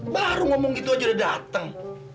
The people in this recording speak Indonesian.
baru ngomong gitu aja udah datang